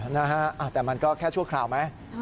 นะฮะแต่มันก็แค่ชั่วคราวไหม